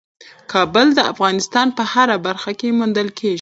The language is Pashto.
کابل د افغانستان په هره برخه کې موندل کېږي.